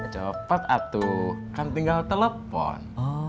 cepet atu kan tinggal telepon